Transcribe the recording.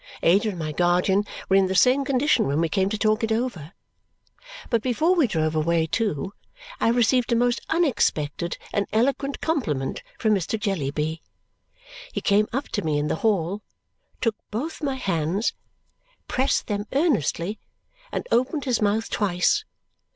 Ada and my guardian were in the same condition when we came to talk it over. But before we drove away too, I received a most unexpected and eloquent compliment from Mr. Jellyby. He came up to me in the hall, took both my hands, pressed them earnestly, and opened his mouth twice.